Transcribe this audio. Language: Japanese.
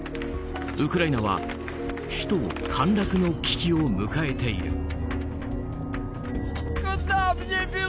ウクライナは首都陥落の危機を迎えている。